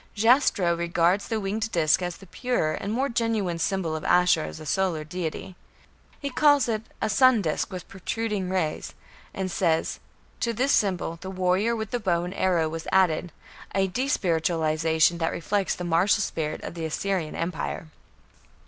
Jastrow regards the winged disc as "the purer and more genuine symbol of Ashur as a solar deity". He calls it "a sun disc with protruding rays", and says: "To this symbol the warrior with the bow and arrow was added a despiritualization that reflects the martial spirit of the Assyrian empire".